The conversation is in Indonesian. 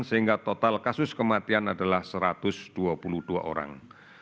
sehingga total kasus kematian adalah satu ratus dua puluh dua orang